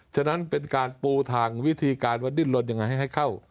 ฉะนั้นเป็นการปูทางวิธีการว่าดิ้นลนยังไงให้เข้า